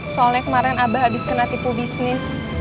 soalnya kemarin abah habis kena tipu bisnis